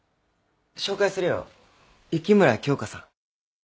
紹介するよ雪村京花さん